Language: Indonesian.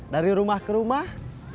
dari rumah ke rumah